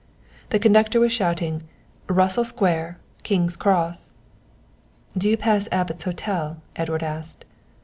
The conductor was shouting "Russell Square, King's Cross." "Do you pass Abbot's Hotel?" Edward asked.